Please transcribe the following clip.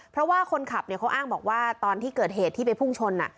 เพราะว่าคนขับเขาอ้างบอกว่าตอนที่เกิดเหตุที่ไปพุ่งชน